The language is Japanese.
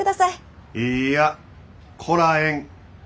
いいやこらえん。